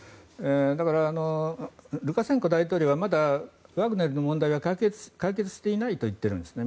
だからルカシェンコ大統領はまだワグネルの問題が解決していないと言っているんですね。